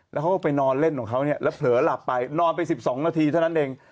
แล้วเขาก็ไปนอนเล่นของเขาเนี่ยแล้วเผลอหลับไปนอนไป๑๒นาทีเท่านั้นเอง